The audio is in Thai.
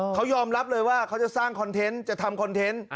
เขายอมรับเลยว่าเขาจะสร้างคอนเทนต์จะทำคอนเทนต์